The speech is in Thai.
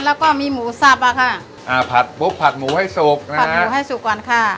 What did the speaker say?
แล้วก็มีหมูซับผัดหมูให้สุกก่อนค่ะ